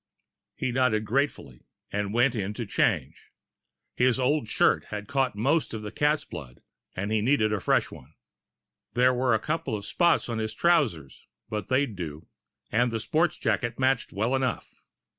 He nodded gratefully, and went in to change. His old shirt had caught most of the cat's blood, and he needed a fresh one. There were a couple of spots on his trousers, but they'd do. And the sports jacket matched well enough.